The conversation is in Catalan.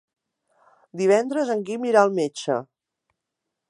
Divendres en Guim irà al metge.